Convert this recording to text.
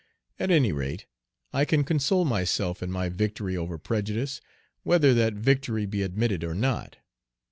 At any rate I can console myself in my victory over prejudice, whether that victory be admitted or not.